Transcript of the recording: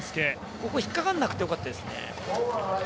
ここ引っかかんなくてよかったですね。